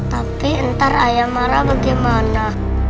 tapi entar ayah marah bagaimana